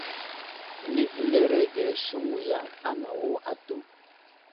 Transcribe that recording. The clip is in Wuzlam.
Nəveleerege siŋgu yaŋ anawo atu.